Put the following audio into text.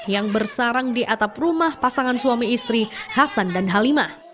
yang bersarang di atap rumah pasangan suami istri hasan dan halimah